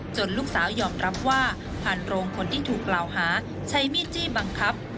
ลูกสาวยอมรับว่าผ่านโรงคนที่ถูกกล่าวหาใช้มีดจี้บังคับ